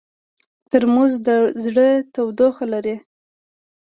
ترموز د زړه تودوخه لري.